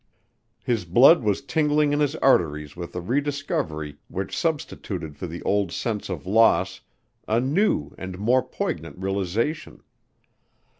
His blood was tingling in his arteries with a rediscovery which substituted for the old sense of loss a new and more poignant realization.